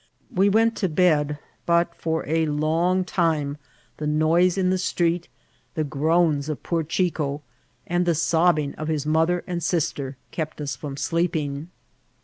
We went to bed, but for a long time the noise in the street, the groans of poOT Chico, and the sobbing of his mother and sister* kept us from sleeping.